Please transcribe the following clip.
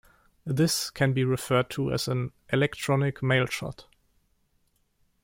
This can be referred to as an "electronic mailshot".